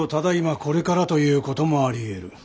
これからということもありえる。